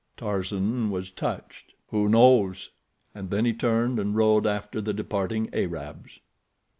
Tarzan was touched. "Who knows?" and then he turned and rode after the departing Arabs.